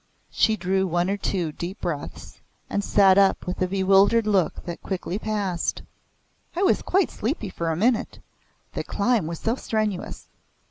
She drew one or two deep breaths, and sat up with a bewildered look that quickly passed. "I was quite sleepy for a minute. The climb was so strenuous.